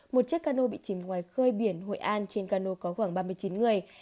một chiếc ca nô bị chìm ngoài khơi biển hội an trên ca nô có khoảng ba mươi chín người